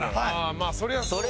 まあそれはそう。